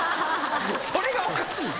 それがおかしいねん。